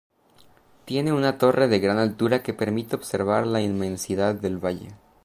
Tiene una torre de gran altura que permite observar la inmensidad del valle.